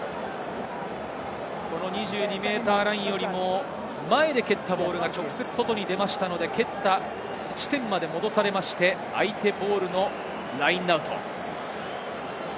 ２２ｍラインよりも前で蹴ったボールが直接外に出ましたので、蹴った地点まで戻されまして相手ボールのラインアウト。